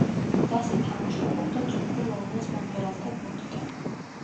დასი თანამშრომლობდა ძუკუ ლოლუას მომღერალთა გუნდთან.